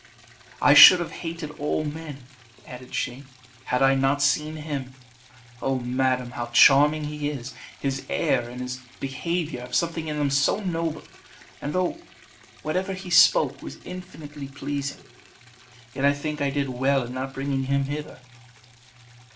"I should have hated all men," added she, "had I not seen him! Oh, madam, how charming he is! His air and all his behaviour have something in them so noble; and though whatever he spoke was infinitely pleasing, yet I think I did well in not bringing him hither."